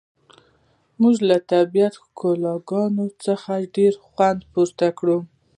موږ له طبیعي ښکلاګانو څخه ډیر خوند پورته کړ